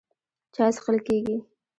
چای څښل کېږي.